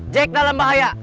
jack dalam bahaya